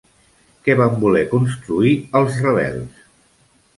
Què van voler construir els rebels?